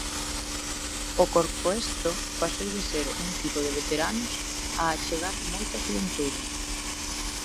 O Corcoesto pasou de ser un equipo de veteranos, a achegar moita xuventude.